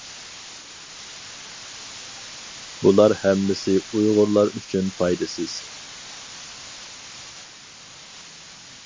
بۇلار ھەممىسى ئۇيغۇرلار ئۈچۈن پايدىسىز.